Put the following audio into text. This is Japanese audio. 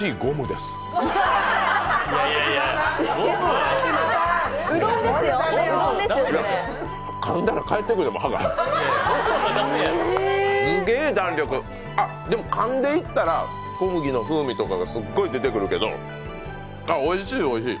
すげえ弾力、でもかんでいったら小麦の風味とかがすっごい出てくるけど、あっ、おいしい、おいしい。